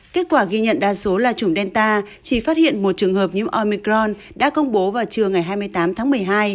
kết quả ghi nhận đa số là chủng delta chỉ phát hiện một trường hợp nhiễm omicron đã công bố vào trưa ngày hai mươi tám tháng một mươi hai